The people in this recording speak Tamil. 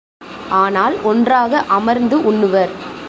ஆனால் ஒன்றாக அமர்ந்து உண்ணுவர்.